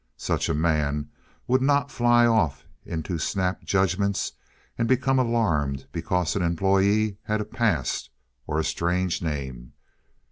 Such a man would not fly off into snap judgments and become alarmed because an employee had a past or a strange name.